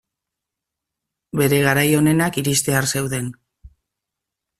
Bere garai onenak iristear zeuden.